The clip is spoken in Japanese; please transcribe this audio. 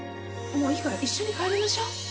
もういいから一緒に帰りましょう。